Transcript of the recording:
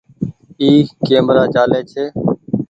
اي ڪيمرا چآلي ڇي